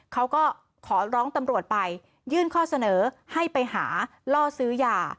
เขาก็ขอร้องตำรวจไปยื่นข้อเสนอให้ไปหาล่อซื้อยา